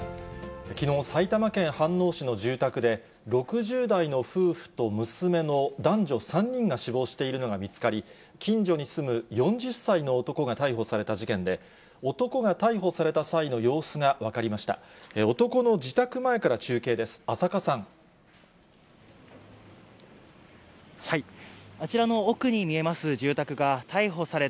きのう、埼玉県飯能市の住宅で、６０代の夫婦と娘の男女３人が死亡しているのが見つかり、近所に住む４０歳の男が逮捕された事件で、男が逮捕された際の様子が分かりました。